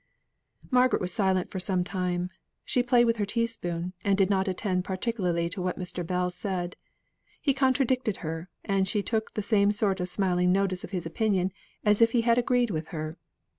Margaret was silent for some time. She played with her teaspoon, and did not attend particularly to what Mr. Bell said. He contradicted her, and she took the same sort of smiling notice of his opinion as if he had agreed with her.